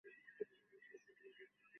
মৃতদেহের মুখে স্কচটেপ লাগানো ছিল।